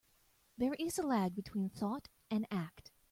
There is a lag between thought and act.